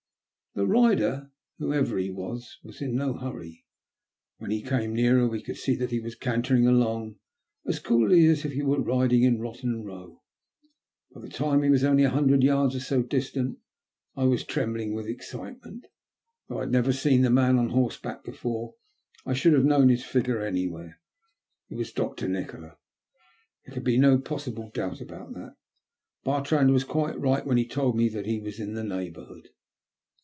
The rider, whoever he was, was in no hurry. When he came nearer, we could see that he was cantering along as coolly as if he were riding in Botten Bow. By the time he was only a hundred THE END. 277 yards or so distant, I was trembling with excitement. Though I had never seen the man on horseback before, I should have known his figure anywhere. It wa$ Dr. Nikola. There could be no possible doubt about that. Bartrand was quite right when he told me that he was in the neighbourhood.